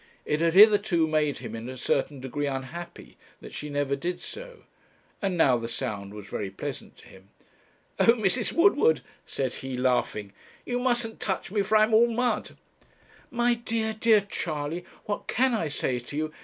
It had hitherto made him in a certain degree unhappy that she never did so, and now the sound was very pleasant to him. 'Oh, Mrs. Woodward,' said he, laughing, 'you mustn't touch me, for I'm all mud.' 'My dear, dear Charley, what can I say to you?